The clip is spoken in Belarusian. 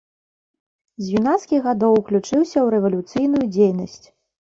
З юнацкіх гадоў уключыўся ў рэвалюцыйную дзейнасць.